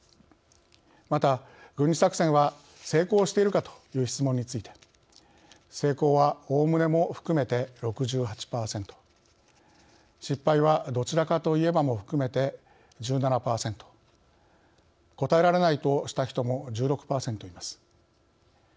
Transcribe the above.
また軍事作戦は成功しているかという質問について成功はおおむねも含めて６８％失敗はどちらかと言えばも含めて１７％答えられないとした人も１６％います。